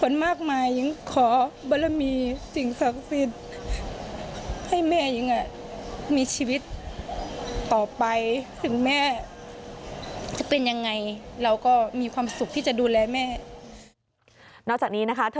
นอกจากนี้นะคะ